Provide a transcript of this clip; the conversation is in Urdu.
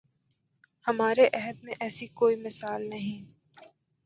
ہمارے عہد میں ایسی کوئی مثال نہیں